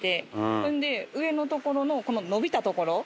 それで上の所のこの伸びた所これ秀逸！